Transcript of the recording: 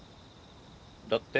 だって。